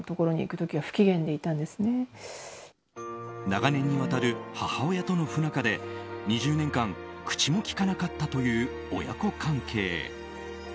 長年にわたる母親との不仲で２０年間口も利かなかったという親子関係。